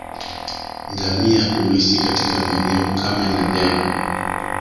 Ngamia huishi katika maeneo kame na jangwa